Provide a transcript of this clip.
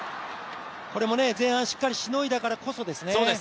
これも前半しっかりしのいだからこそですね。